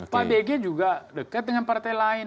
pak dg juga dekat dengan partai lain